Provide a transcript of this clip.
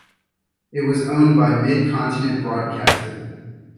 It was owned by Mid-Continent Broadcasting.